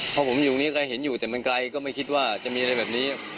เพราะผมอยู่ตรงนี้ก็เห็นอยู่แต่มันไกลก็ไม่คิดว่าจะมีอะไรแบบนี้